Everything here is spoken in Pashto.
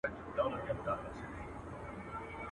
ويل دغي ژبي زه يم غولولى.